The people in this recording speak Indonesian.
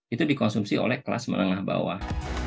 itu dikonsumsi oleh kelas menengah bawah